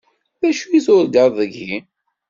D acu turǧaḍ deg-i?